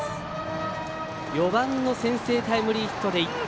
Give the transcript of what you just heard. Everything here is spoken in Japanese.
４番の先制タイムリーヒットで１点。